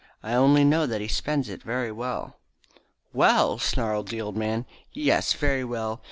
I only know that he spends it very well." "Well!" snarled the old man. "Yes, very well!